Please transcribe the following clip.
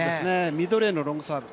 ミッドレーンのロングサービス。